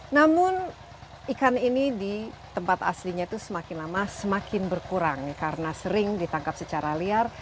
namun ikan ini di tempat aslinya itu semakin lama semakin berkurang karena sering ditangkap secara liar